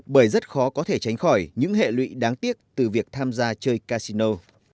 bởi rất khó có thể tránh khỏi những hệ lụy đáng tiếc từ việc tham gia chơi casino